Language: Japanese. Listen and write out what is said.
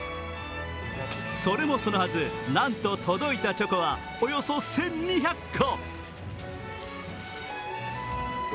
それもそのはず、なんと届いたチョコはおよそ１２００個。